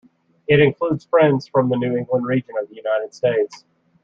It includes Friends from the New England region of the United States.